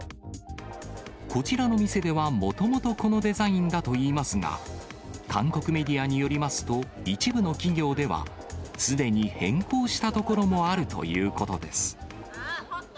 こちらの店では、もともとこのデザインだといいますが、韓国メディアによりますと、一部の企業では、すでに変更したところもあるということです。